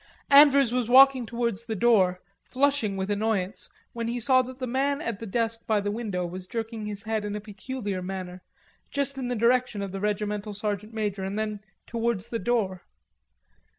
Andrews was walking towards the door, flushing with annoyance, when he saw that the man at the desk by the window was jerking his head in a peculiar manner, just in the direction of the regimental sergeant major and then towards the door.